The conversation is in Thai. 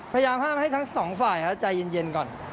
พยายามห้ามให้ทั้งสองฝ่ายใจเย็นก่อน